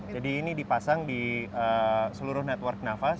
jadi ini dipasang di seluruh network nafas